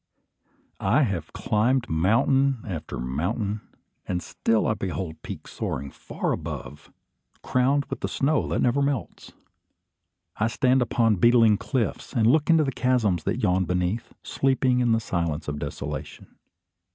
I have climbed mountain after mountain, and still I behold peaks soaring far above, crowned with the snow that never melts. I stand upon beetling cliffs, and look into chasms that yawn beneath, sleeping in the silence of desolation.